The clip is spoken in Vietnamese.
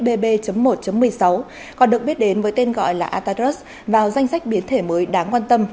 bb một một mươi sáu còn được biết đến với tên gọi là atadus vào danh sách biến thể mới đáng quan tâm